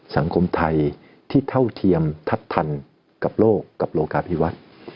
สังคมไทยที่เท่าเทียมทัศน์ทันกับโลกกับโลกาพิวัฒน์